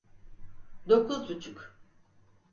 Dokuz buçuk.